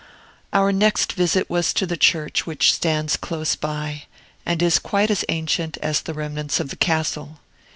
Our next visit was to the church which stands close by, and is quite as ancient as the remnants of the castle.